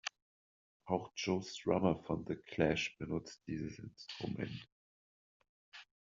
Auch Joe Strummer von The Clash benutzte dieses Instrument.